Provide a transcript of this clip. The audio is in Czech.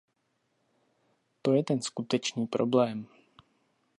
To je ten skutečný problém.